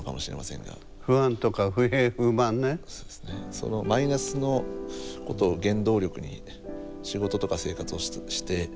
そのマイナスのことを原動力に仕事とか生活をして。